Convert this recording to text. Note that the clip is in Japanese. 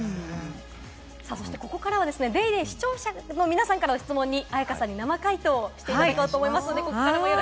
ここからは『ＤａｙＤａｙ．』の視聴者の皆さんからの質問に絢香さんに生回答していただこうと思います。